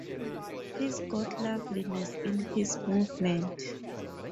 He's got loveliness in his movement.